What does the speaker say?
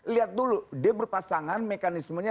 lihat dulu dia berpasangan mekanismenya